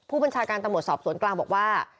ผู้บัญชาการตำรวจสอบสวนกลางบอกว่า